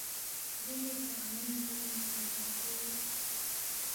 دینے چنگمین ظُلم چن بادشے یود